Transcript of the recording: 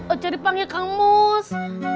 ajarin panggil kang mus